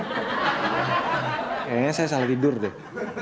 hah kayaknya saya salah tidur deh